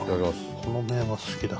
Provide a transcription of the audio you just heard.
この麺は好きだ。